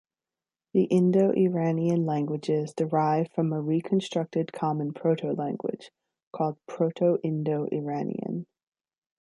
The Indo-Iranian languages derive from a reconstructed common proto-language, called Proto-Indo-Iranian.